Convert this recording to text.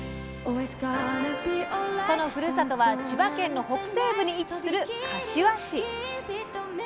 そのふるさとは千葉県の北西部に位置する柏市。